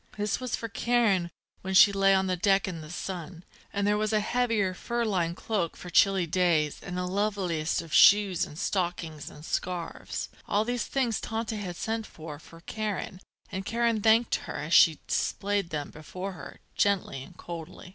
This was for Karen when she lay on deck in the sun. And there was a heavier fur lined cloak for chilly days and the loveliest of shoes and stockings and scarves. All these things Tante had sent for for Karen, and Karen thanked her, as she displayed them before her, gently and coldly.